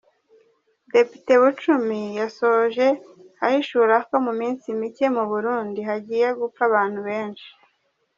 Depite Bucumi yasoje ahishura ko mu minsi mike mu Burundi hagiye gupfa abantu benshi.